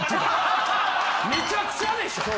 めちゃくちゃでしょ？